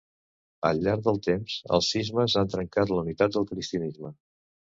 Al llarg del temps, els cismes han trencat la unitat del Cristianisme.